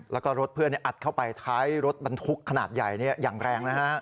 แล้วก็รถเพื่อนอัดเข้าไปท้ายรถบรรทุกขนาดใหญ่อย่างแรงนะฮะ